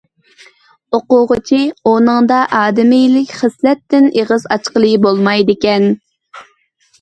ئوقۇغۇچى: ئۇنىڭدا ئادىمىيلىك خىسلەتتىن ئېغىز ئاچقىلى بولمايدىكەن.